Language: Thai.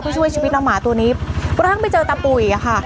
เพื่อช่วยชีวิตน้องหมาตัวนี้กระทั่งไปเจอตาปุ๋ยอะค่ะ